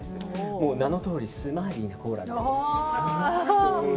名のとおりスマイリーなコーラルです。